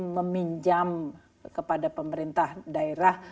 meminjam kepada pemerintah daerah